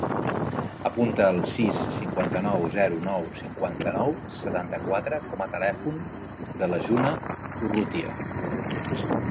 Apunta el sis, cinquanta-nou, zero, nou, cinquanta-nou, setanta-quatre com a telèfon de la June Urrutia.